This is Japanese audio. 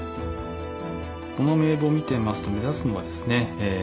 この名簿を見てますと目立つのはですね